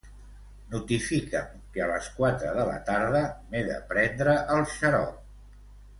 Notifica'm que a les quatre de la tarda m'he de prendre el xarop.